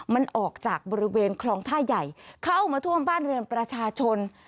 มันออกจากบริเวณคลองท่าใหญ่เข้ามาท่วมบ้านเรือนประชาชน